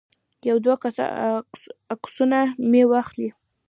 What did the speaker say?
یو دوه عکسونه مې واخلي.